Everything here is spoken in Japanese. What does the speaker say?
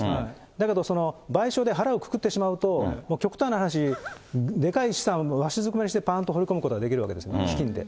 だけど、賠償で腹をくくってしまうと、極端な話、でかい資産をわしづかみにして、ぱーんと放り込むことができるんですね、資金で。